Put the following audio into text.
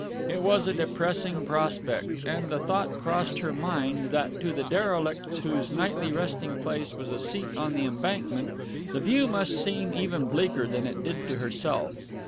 It was a depressing prospect, and the thought crossed her mind that to the derelicts whose nightly resting place was a seat on the Embankment the view must seem even bleaker than it did to herself.